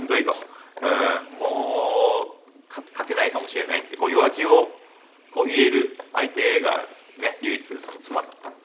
「もう勝てないかもしれない」って弱気を言える相手が唯一妻だったので。